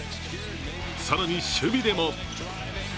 更に守備でも。